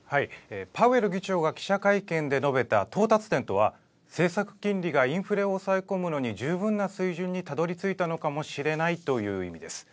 パウエル議長が記者会見で述べた到達点とは、政策金利がインフレを抑え込むのに十分な水準にたどりついたのかもしれないという意味です。